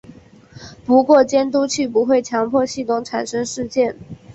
不过监督器不会强迫系统产生事件。